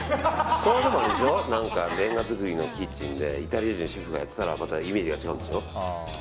レンガ造りのキッチンでイタリア人のシェフがやってたらまたイメージが違うんでしょ。